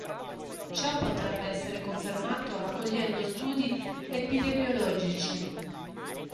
Ciò potrebbe essere confermato raccogliendo studi epidemiologici.